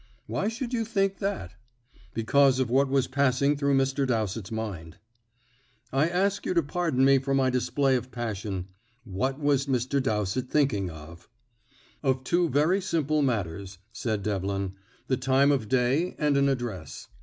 "Why should you think that?" "Because of what was passing through Mr. Dowsett's mind." "I ask you to pardon me for my display of passion. What was Mr. Dowsett thinking of?" "Of two very simple matters," said Devlin; "the time of day and an address.